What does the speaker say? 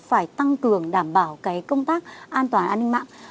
phải tăng cường đảm bảo cái công tác an toàn an ninh mạng